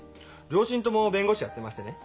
両親とも弁護士やってましてね